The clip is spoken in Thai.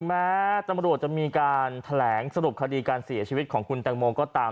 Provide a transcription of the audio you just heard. แม้ตำรวจจะมีการแถลงสรุปคดีการเสียชีวิตของคุณแตงโมก็ตาม